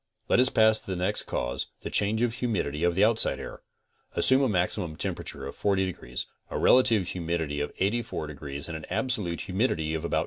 Let us pass to the next cause, the change of the humidity of the outside air. Assume a maximum temperature of 40 degrees, a relative humidity of 84 degrees and an absolute humidity of about 2.